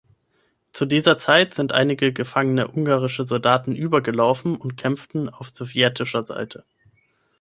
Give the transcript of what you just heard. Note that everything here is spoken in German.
Zu dieser Zeit sind einige gefangene ungarische Soldaten übergelaufen und kämpften auf sowjetischer Seite.